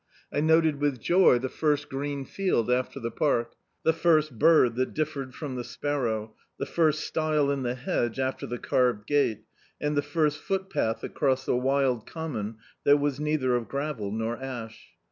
I noted with joy the first green field after the park, the first bird that differed from the sparrow, the first stile in the hedge after the carved gate, and the first footpath across the wild common that was neither of gravel nor ash.